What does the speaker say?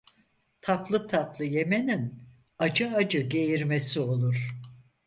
Tatlı tatlı yemenin acı acı geğirmesi olur.